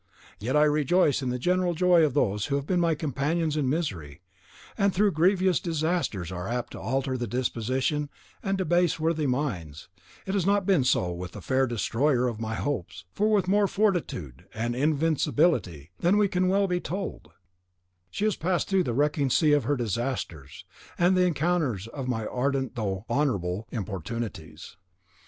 Yet, I rejoice in the general joy of those who have been my companions in misery; and though grievous disasters are apt to alter the disposition and debase worthy minds, it has not been so with the fair destroyer of my hopes, for with more fortitude and invincibility than can well be told, she has passed through the wrecking sea of her disasters and the encounters of my ardent though honourable importunities.